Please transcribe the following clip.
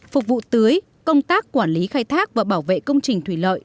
phục vụ tưới công tác quản lý khai thác và bảo vệ công trình thủy lợi